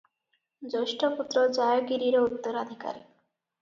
ଜ୍ୟେଷ୍ଠପୁତ୍ର ଜାୟଗିରିର ଉତ୍ତରାଧିକାରୀ ।